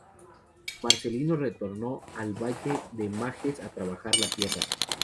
Marcelino retornó al valle de Majes a trabajar la tierra.